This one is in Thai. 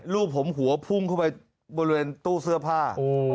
ลูกผมหัวพุ่งเข้าไปบริเวณตู้เสื้อผ้า